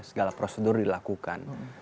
segala prosedur dilakukan